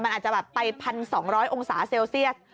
มันอาจจะแบบไป๑๒๐๐องศาเซลเซียส